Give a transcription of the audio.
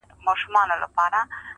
توروه سترگي ښايستې په خامـوشـۍ كي,